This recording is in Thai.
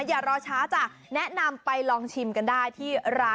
อย่ารอช้าจ้ะแนะนำไปลองชิมกันได้ที่ร้าน